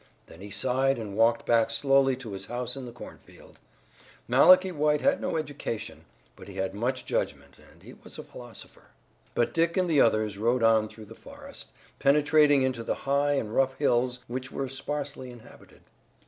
Then he sighed and walked back slowly to his house in the cornfield. Malachi White had no education, but he had much judgment and he was a philosopher. But Dick and the others rode on through the forest, penetrating into the high and rough hills which were sparsely inhabited.